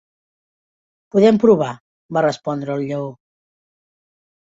"Podem provar" va respondre el lleó.